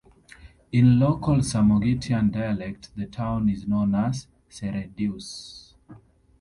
In local Samogitian dialect the town is known as "Seredius".